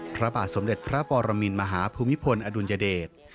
พระบาทสมเด็จพระปรมินมหาภูมิพลอดุลยเดช